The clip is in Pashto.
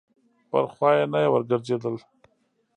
پر خوا یې نه یې ورګرځېدل.